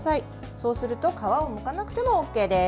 そうすると皮をむかなくてもＯＫです。